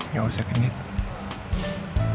ya usah kenyit